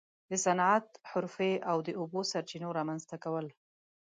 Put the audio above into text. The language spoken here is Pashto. د صنعت، حرفې او د اوبو سرچینو رامنځته کول.